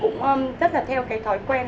thường là bố mẹ cũng rất là theo cái thói quen